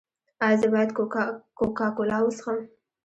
ایا زه باید کوکا کولا وڅښم؟